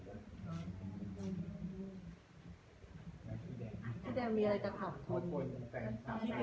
ขอบคุณครับ